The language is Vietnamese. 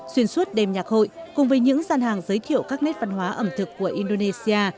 xuyên suốt đêm nhạc hội cùng với những gian hàng giới thiệu các nét văn hóa ẩm thực của indonesia